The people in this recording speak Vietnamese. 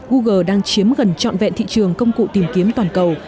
google đang chiếm gần trọn vẹn thị trường công cụ tìm kiếm toàn cầu